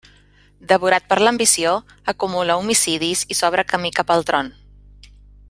Devorat per l'ambició, acumula homicidis i s'obre camí cap al tron.